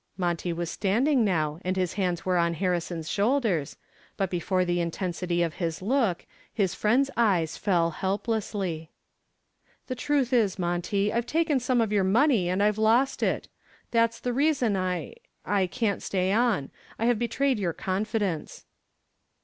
Monty was standing now and his hands were on Harrison's shoulders, but before the intensity of his look, his friend's eyes fell helplessly. "The truth is, Monty, I've taken some of your money and I've lost it. That's the reason I I can't stay on. I have betrayed your confidence."